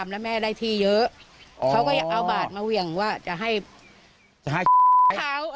อรับทราบ